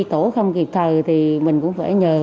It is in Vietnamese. tổ không kịp thời thì mình cũng phải nhờ